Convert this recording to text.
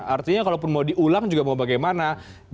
artinya kalaupun mau diulang juga mau bagaimana